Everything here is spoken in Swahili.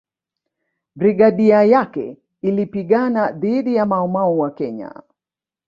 Brigadia yake ilipigana dhidi ya Mau Mau wa Kenya